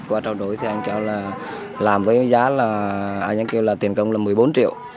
qua trao đổi thì anh kêu là làm với giá là anh ấy kêu là tiền công là một mươi bốn triệu